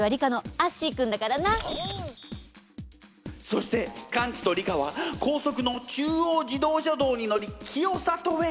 そしてカンチとリカは高速の中央自動車道に乗り清里へ。